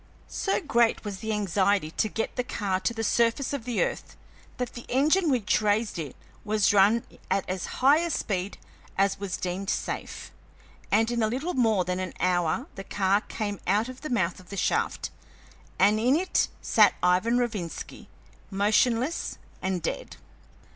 So great was the anxiety to get the car to the surface of the earth that the engine which raised it was run at as high a speed as was deemed safe, and in a little more than an hour the car came out of the mouth of the shaft, and in it sat Ivan Rovinski, motionless and dead.